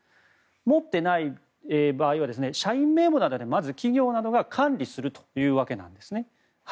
持っていない場合は社員名簿などで、まず企業が管理するというわけなんですね。